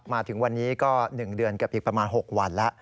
มาถึงวันนี้ก็๑เดือนกับอีกประมาณ๖วันแล้ว